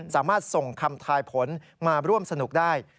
สามารถส่งคำทายผลมาร่วมสนุกได้